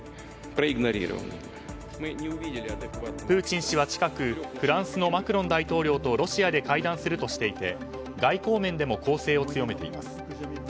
プーチン氏は近くフランスのマクロン大統領とロシアで会談するとしていて外交面でも攻勢を強めています。